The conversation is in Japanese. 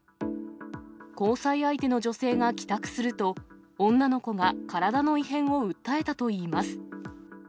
交際相手の女性が帰宅すると、女の子が体の異変を訴えたといいます。